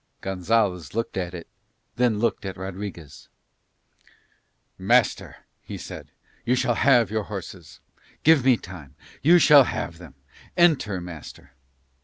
Gonzalez looked at it, then looked at Rodriguez. "Master," he said, "you shall have your horses. Give me time: you shall have them. Enter, master."